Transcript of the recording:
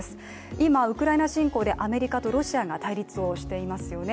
今、ウクライナ侵攻でアメリカとロシアが対立をしていますよね。